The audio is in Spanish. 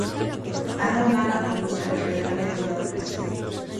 Adam vaga por los alrededores de Londres.